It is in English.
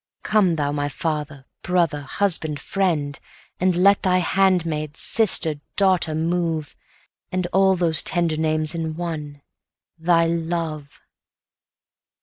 Come thou, my father, brother, husband, friend! Ah, let thy handmaid, sister, daughter move, And all those tender names in one thy love!